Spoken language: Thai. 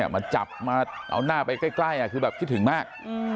มาจับมาเอาหน้าไปใกล้คือแบบคิดถึงมาก